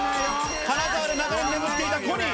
金沢で長年眠っていたコニー。